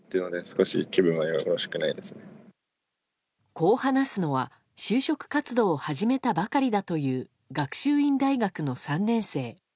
こう話すのは就職活動を始めたばかりだという学習院大学の３年生。